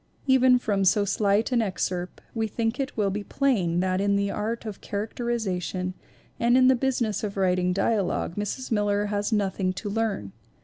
Even from so slight an excerpt we think it will be plain that in the art of characterization and in the business of writing dialogue Mrs. Miller has nothing to learn.